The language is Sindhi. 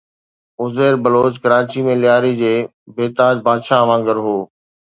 عزير بلوچ ڪراچيءَ ۾ لياري جي بي تاج بادشاهه وانگر هو.